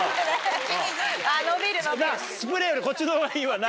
スプレーよりこっちの方がいいわな。